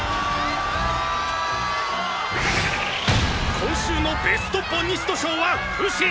「今週のベストボンニスト賞はフシ！！